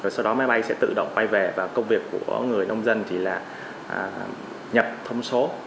sau đó máy bay sẽ tự động quay về và công việc của người nông dân thì là nhập thông số